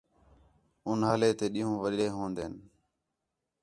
اُنہالے تے ݙِین٘ہوں وݙے ہون٘دِن